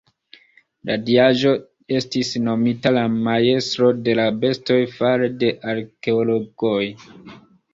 La diaĵo estis nomita la "Majstro de la Bestoj" fare de arkeologoj.